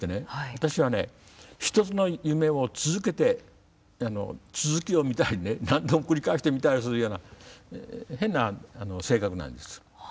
私はね一つの夢を続けて続きを見たりね何度も繰り返して見たりするような変な性格なんです。